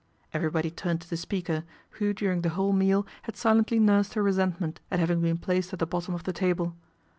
Everybody turned to the speaker, who during the whole meal had silently nursed her resentment at having been placed at the bottom of the table.